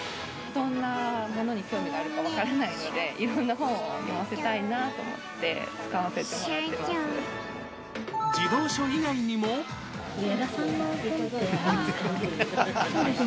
どんなものに興味があるか分からないので、いろんな本を読ませたいなと思って使わせてもらってます。